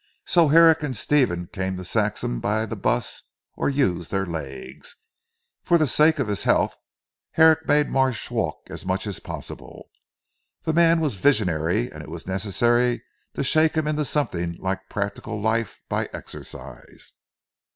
So Herrick and Stephen came to Saxham by the bus, or used their legs. For the sake of his health Herrick made Marsh walk as much as possible. The man was visionary and it was necessary to shake him into something like practical life by exercise.